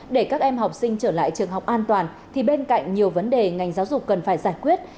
để các em học sinh trở lại trường học an toàn thì bên cạnh nhiều vấn đề ngành giáo dục cần phải giải quyết